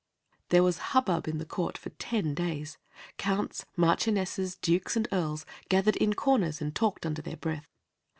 There was hubbub in the court for ten days. Counts, marchionesses, dukes, and earls gathered in corners and talked under their breath.